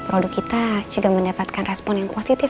produk kita juga mendapatkan respon yang positif